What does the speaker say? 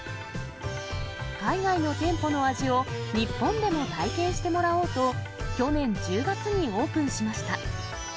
海外の店舗の味を日本でも体験してもらおうと、去年１０月にオープンしました。